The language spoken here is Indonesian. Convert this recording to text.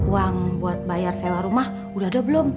uang buat bayar sewa rumah udah ada belum